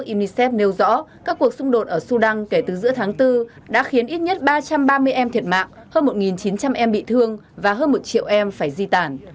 quỹ nhi đồng liên hợp quốc unicef nêu rõ các cuộc xung đột ở sudan kể từ giữa tháng bốn đã khiến ít nhất ba trăm ba mươi em thiệt mạng hơn một chín trăm linh em bị thương và hơn một triệu em phải di tản